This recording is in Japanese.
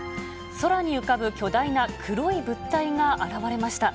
空に浮かぶ巨大な黒い物体が現れました。